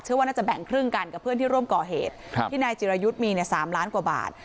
ว่าน่าจะแบ่งครึ่งกันกับเพื่อนที่ร่วมก่อเหตุครับที่นายจิรายุทธ์มีเนี่ย๓ล้านกว่าบาท